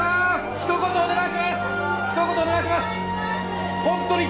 ひと言お願いします。